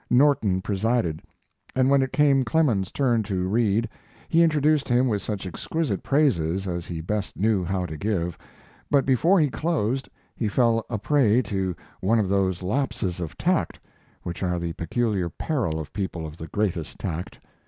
Norton presided, and when it came Clemens's turn to read he introduced him with such exquisite praises as he best knew how to give, but before he closed he fell a prey to one of those lapses of tact which are the peculiar peril of people of the greatest tact.